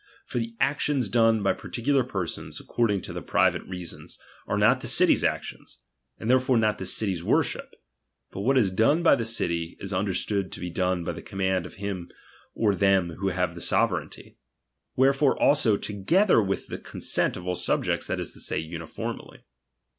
For the actions done by particular per sons, according to their private reasons, are not the city's actions ; and therefore not the city's worship. But what is done by the city, is under stood to be doue by the command of him or them who have the sovereignty ; wherefore also together with the consent of all the subjects, that is to say, uniformly.